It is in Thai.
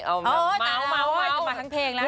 อ๋อต่างจะมาทั้งเพลงแล้ว